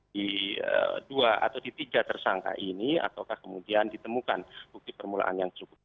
di dua atau di tiga tersangka ini ataukah kemudian ditemukan bukti permulaan yang cukup